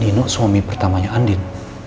dino suami pertamanya andin